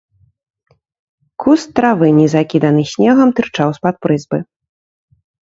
Куст травы, не закіданы снегам, тырчаў з-пад прызбы.